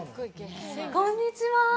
こんにちは。